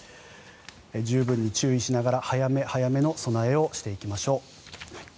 十分に注意しながら早め早めの備えをしていきましょう。